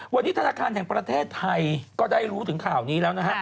วันนี้ธนาคารแห่งประเทศไทยก็ได้รู้ถึงข่าวนี้แล้วนะฮะ